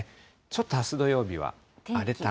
ちょっとあす土曜日は荒れた。